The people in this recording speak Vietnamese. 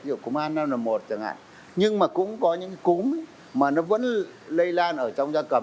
ví dụ cúm a năm n một chẳng hạn nhưng mà cũng có những cúm mà nó vẫn lây lan ở trong da cầm